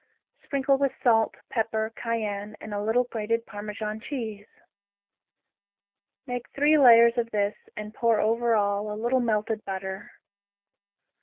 Sprinkle with salt, pepper, cayenne, and a little grated Parmesan cheese. Make three layers of this and pour over all a little melted butter.